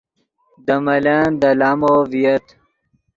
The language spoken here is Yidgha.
دے ملن دے لامو ڤییت